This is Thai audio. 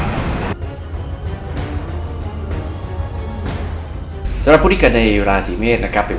นะครับสำหรับผู้นี้กันในรสีเมษนะครับ